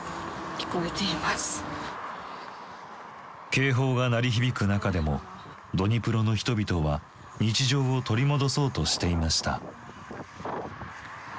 警報が鳴り響く中でもドニプロの人々は日常を取り戻そうとしていました。